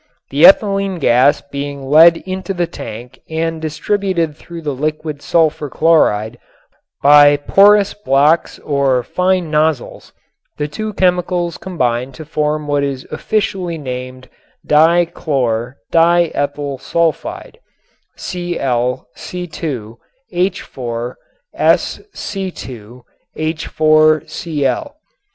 The ethylene gas being led into the tank and distributed through the liquid sulfur chloride by porous blocks or fine nozzles, the two chemicals combined to form what is officially named "di chlor di ethyl sulfide" (ClC_H_SC_H_Cl).